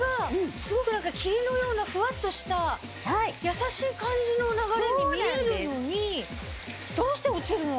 すごく何か霧のようなふわっとした優しい感じの流れに見えるのにどうして落ちるの？